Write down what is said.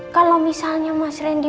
kalau misalnya mas randy